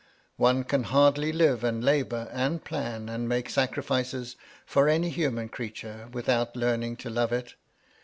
One can hardly live and labour, and plan and make sacrifices, for any ]iuman creature, without learning to love it.